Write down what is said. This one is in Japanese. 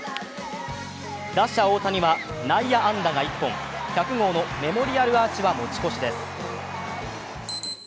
打者・大谷は内野安打が１本、１００号のメモリアルアーチは持ち越しです。